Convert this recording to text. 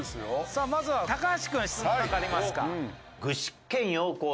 さあまずは高橋君質問なんかありますか？